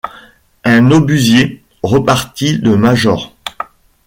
Un obusier, repartit le major.